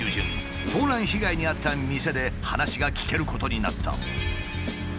盗難被害に遭った店で話が聞けることになった。